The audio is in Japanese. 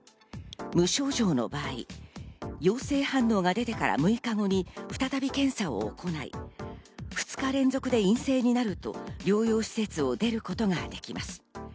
無症状の場合、陽性反応が出てから６日後に再び検査を行い、２日連続で陰性になると療養施設を出ることができます。